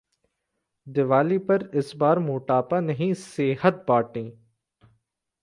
दिवाली पर इस बार मोटापा नहीं सेहत बांटें...